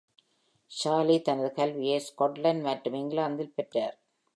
ஷாலி தனது கல்வியை ஸ்காட்லாந்து மற்றும் இங்கிலாந்தில் பெற்றார்.